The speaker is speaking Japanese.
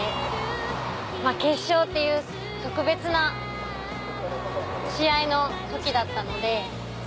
決勝っていう特別な試合の時だったので。